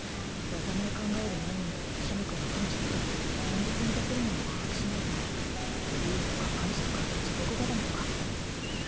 技名考える前にシャミ子がピンチのとき堅実に出せるものを把握しないとビームとかパンチとか地獄固めとかう